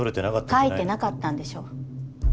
書いてなかったんでしょ？